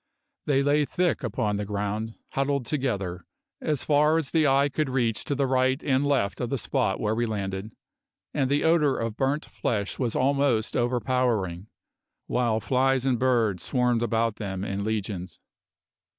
They lay thick upon the ground, huddled together, as far as the eye could reach to the right and left of the spot where we landed, and the odour of burnt flesh was almost overpowering, while flies and birds swarmed about them in legions.